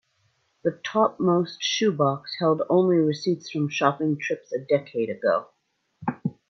The topmost shoe box held only receipts from shopping trips a decade ago.